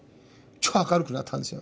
超明るくなったんですよ。